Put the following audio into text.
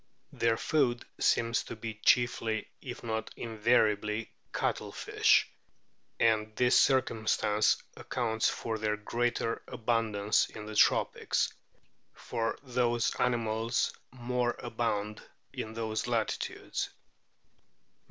Their food seems to be chiefly, if not invariably, cuttlefish ; and this circumstance accounts for their greater abundance in the tropics, for those animals more abound in those latitudes.